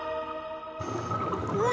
うわ！